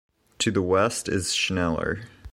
To the west is Schneller.